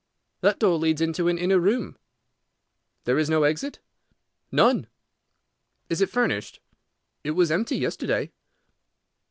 "That door leads into an inner room." "There is no exit?" "None." "Is it furnished?" "It was empty yesterday."